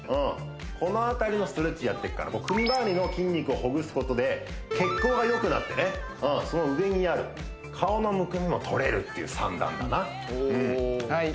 この辺りのストレッチやっていくから首まわりの筋肉をほぐすことで血行がよくなってねその上にある顔のむくみもとれるっていう算段だなはい